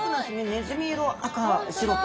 ねずみ色赤白と。